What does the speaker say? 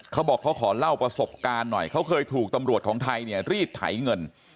เขาบอกเขาขอเล่าประสบการณ์หน่อยเขาเคยถูกตำรวจของไทยเนี่ยรีดไถเงิน